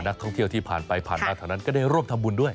นักท่องเที่ยวที่ผ่านไปผ่านมาแถวนั้นก็ได้ร่วมทำบุญด้วย